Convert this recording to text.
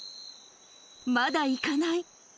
まだ行かない